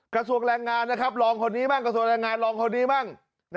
กระทรวงแรงงานลองคนนี้บ้าง